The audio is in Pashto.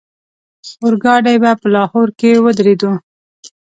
اورګاډی به په لاهور کې ودرېدو.